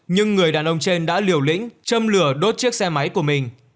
nhưng người đàn ông trên đã liều lĩnh châm lửa đốt chiếc xe máy của mình